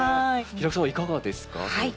平工さんはいかがですか？